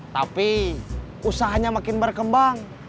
tapi usahanya makin berkembang